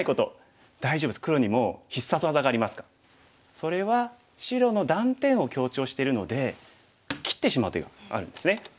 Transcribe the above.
それは白の断点を強調してるので切ってしまう手があるんですね。